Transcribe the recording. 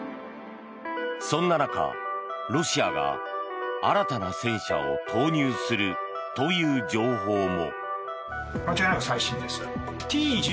そんな中、ロシアが新たな戦車を投入するという情報も。